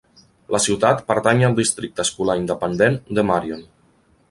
La ciutat pertany al districte escolar independent de Marion.